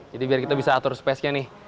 jadi biar kita bisa atur spesnya nih